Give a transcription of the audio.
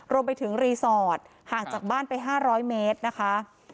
รวมไปถึงรีสอร์ทห่างจากบ้านไป๕๐๐เมตรนะคะ